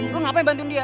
lu ngapain bantuin dia